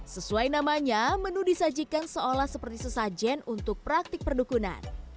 sesuai namanya menu disajikan seolah seperti sesajen untuk praktik perdukunan